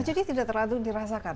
jadi tidak terlalu dirasakan